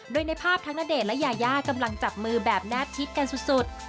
โดยในภาพทั้งณเดชน์และยายากำลังจับมือแบบแนบทิศกันสุด